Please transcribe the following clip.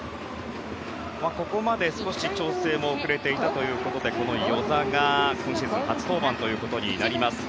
ここまで少し調整も遅れていたということでこの與座が今シーズン初登板ということになります。